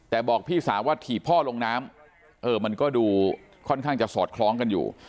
แต่บอกพี่สาวว่าถีบพ่อลงน้ำเออมันก็ดูค่อนข้างจะสอดคล้องกันอยู่